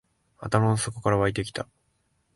頭の底から湧いてきた